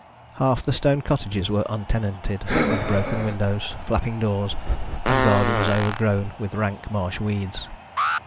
Half the stone cottages were untenanted, with broken windows, flapping doors, and gardens overgrown with rank marsh weeds.